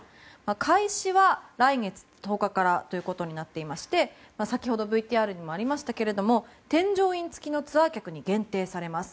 開始は来月１０日からということになっていまして先ほど、ＶＴＲにありましたが添乗員付きのツアー客に限定されます。